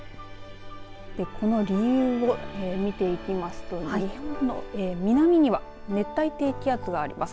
この理由を見ていきますと日本の南には熱帯低気圧があります。